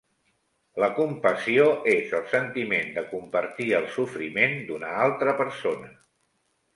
La compassió és el sentiment de compartir el sofriment d'una altra persona.